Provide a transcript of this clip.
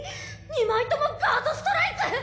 ２枚ともガード・ストライク！？